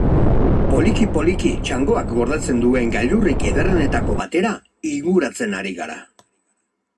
Poliki-poliki, txangoak gordetzen duen gailurrik ederrenetako batera inguratzen ari gara.